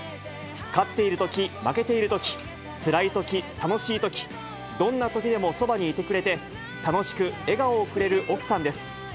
勝っているとき、負けているとき、つらいとき、楽しいとき、どんなときでもそばにいてくれて、楽しく笑顔をくれる奥さんです。